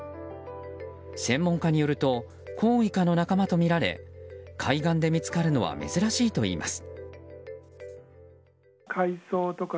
専門家によるとコウイカの仲間とみられ海岸で見つかるのは珍しいといいます。